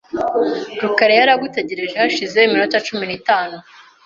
rukara yari agutegereje hashize iminota cumi n'itanu .